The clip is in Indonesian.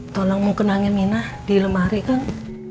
tolong mengkenangi mina di lemari gang